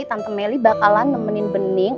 tante melly bakalan nemenin bening